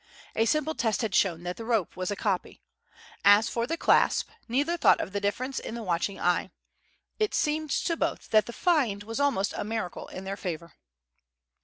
A simple test had shown that the rope was a copy. As for the clasp, neither thought of the difference in the watching eye; and it seemed to both that the "find" was almost a miracle in their favour.